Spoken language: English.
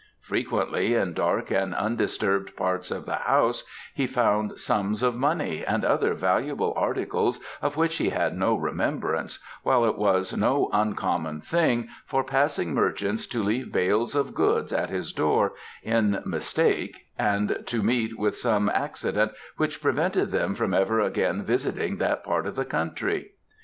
Frequently in dark and undisturbed parts of the house he found sums of money and other valuable articles of which he had no remembrance, while it was no uncommon thing for passing merchants to leave bales of goods at his door in mistake and to meet with some accident which prevented them from ever again visiting that part of the country.